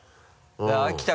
秋田